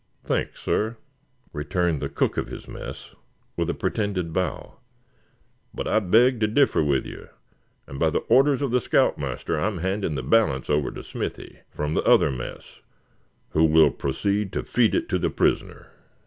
"Thanks, suh!" returned the cook of his mess, with a pretended bow; "but I beg to diffah with you; and by the orders of the scout master I am handing the balance over to Smithy, from the other mess, who will proceed to feed it to the prisoner.